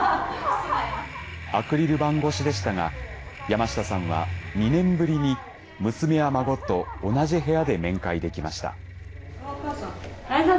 アクリル板越しでしたが山下さんは２年ぶりに娘や孫と同じ部屋で面会できました。